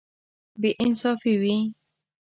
بې انصافي وي.